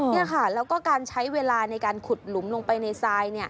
นี่ค่ะแล้วก็การใช้เวลาในการขุดหลุมลงไปในทราย